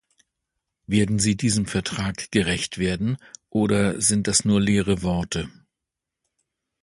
Werden Sie diesem Vertrag gerecht werden, oder sind das nur leere Worte?